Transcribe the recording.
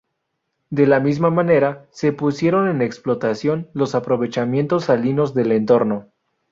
De la misma manera, se pusieron en explotación los aprovechamientos salinos del entorno.